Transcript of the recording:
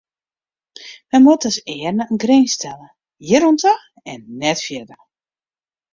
Men moat dus earne in grins stelle: hjir oan ta en net fierder.